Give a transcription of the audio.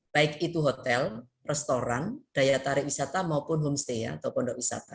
baik itu hotel restoran daya tarik wisata maupun homestay atau pondok wisata